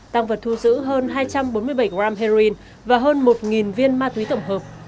tăng vật thu giữ hơn hai trăm bốn mươi bảy gram heroin và hơn một viên ma túy tổng hợp